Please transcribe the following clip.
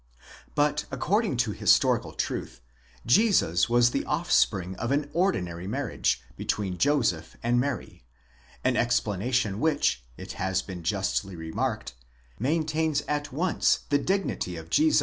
But according to historical truth, Jesus was the offspring of an ordinary marriage, between Joseph and Mary ; an explanation which, it has been justly remarked, maintains at once the dignity of Jesus and the respect due to his mother,} aus Tract.